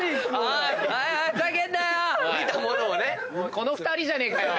この２人じゃねえかよ！